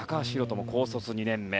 宏斗も高卒２年目。